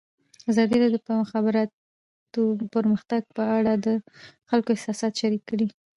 ازادي راډیو د د مخابراتو پرمختګ په اړه د خلکو احساسات شریک کړي.